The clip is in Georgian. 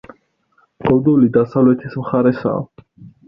გოდოლი დასავლეთის მხარესაა.